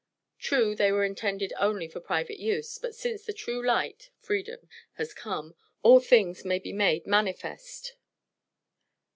True they were intended only for private use, but since the "True light" (Freedom) has come, all things may be made manifest.